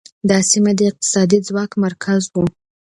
دا سیمه د اقتصادي ځواک مرکز و